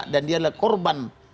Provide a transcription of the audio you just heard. dan dia adalah korban